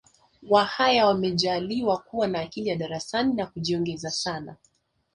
Wahaya wamejaaliwa kuwa na akili ya darasani na ya kujiongeza sana